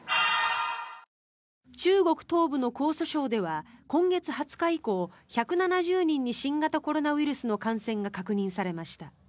中国東部の江蘇省では今月２０日以降１７０人に新型コロナウイルスの感染が確認されました。